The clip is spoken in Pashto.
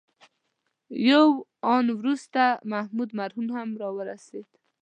یو آن وروسته محمود مرهون هم راورسېد.